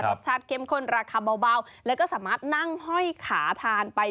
รสชาติเข้มข้นราคาเบาแล้วก็สามารถนั่งห้อยขาทานไป